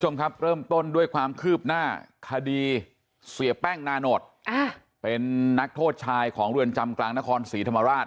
คุณผู้ชมครับเริ่มต้นด้วยความคืบหน้าคดีเสียแป้งนาโนตเป็นนักโทษชายของเรือนจำกลางนครศรีธรรมราช